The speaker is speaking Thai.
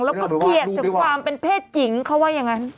แล้วก็เกลียดถึงความเป็นเพศหญิงเขาว่าอย่างนั้น